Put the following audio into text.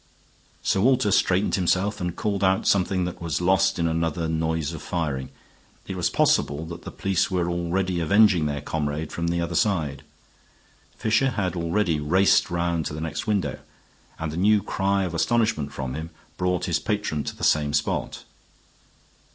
Sir Walter straightened himself and called out something that was lost in another noise of firing; it was possible that the police were already avenging their comrade from the other side. Fisher had already raced round to the next window, and a new cry of astonishment from him brought his patron to the same spot.